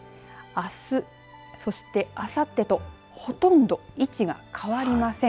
あす、そしてあさってとほとんど位置が変わりません。